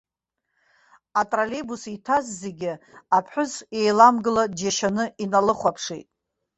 Атроллеибус иҭаз зегьы аԥҳәыс еиламгыла дџьашьаны иналыхәаԥшит.